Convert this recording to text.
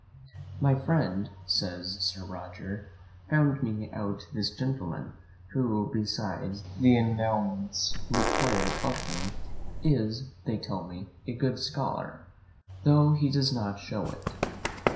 My friend, says Sir Roger, found me out this gentleman, who, besides the endowments required of him, is, they tell me, a good scholar, tho' he does not shew it.